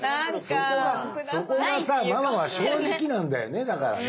そこがそこがさママは正直なんだよねだからね。